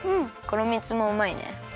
黒みつもうまいね。